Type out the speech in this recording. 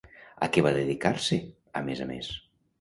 A què va dedicar-se, a més a més?